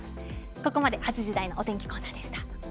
ここまで８時台のお天気コーナーでした。